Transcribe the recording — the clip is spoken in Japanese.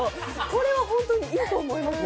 これはいいと思います。